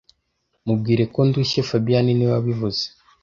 Mubwire ko ndushye fabien niwe wabivuze